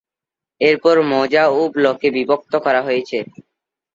এরপর মৌজা ও ব্লকে বিভক্ত করা হয়েছে।